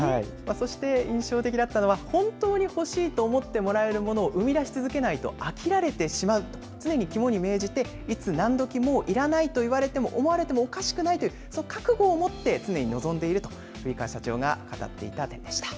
そして、印象的だったのは本当に欲しいと思ってもらえるものを生み出し続けないと飽きられてしまうということを肝に銘じていつ何時、もういらないと思われてもおかしくないという覚悟を持って常に臨んでいると社長が語っていました。